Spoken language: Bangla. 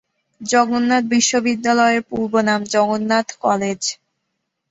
জগন্নাথ বিশ্ববিদ্যালয়ের পূর্বনাম জগন্নাথ কলেজ।